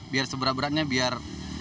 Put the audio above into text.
biar seberat beratnya biar